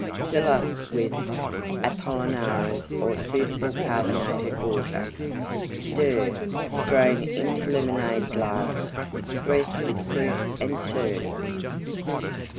\s+\d\d? Fill up with Apollinaris or suitable Carbonated Water. Stir; strain into Lemonade glass; dress with Fruit and serve.